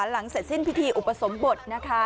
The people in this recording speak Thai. หลังเสร็จสิ้นพิธีอุปสมบทนะคะ